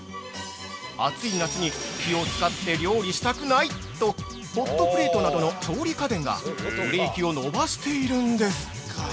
「暑い夏に火を使って料理したくない！」とホットプレートなどの調理家電が売れ行きを伸ばしているんです！